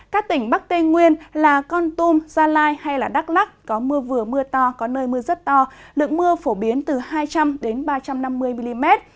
các tỉnh bắc tây nguyên là con tum gia lai hay đắk lắc có mưa vừa mưa to có nơi mưa rất to lượng mưa phổ biến từ hai trăm linh ba trăm năm mươi mm